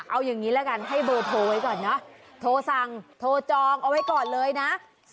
เอาอย่างนี้ละกันให้เบอร์โทรไว้ก่อนเนอะโทรสั่งโทรจองเอาไว้ก่อนเลยนะ